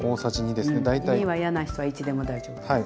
２は嫌な人は１でも大丈夫です。